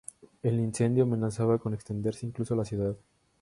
El incendio amenazaba con extenderse incluso a la ciudad.